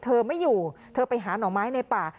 ไม่อยู่เธอไปหาหน่อไม้ในป่า